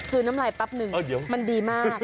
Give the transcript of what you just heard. คือน้ำลายแป๊บนึงมันดีมาก